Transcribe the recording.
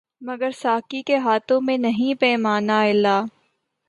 مگر ساقی کے ہاتھوں میں نہیں پیمانۂ الا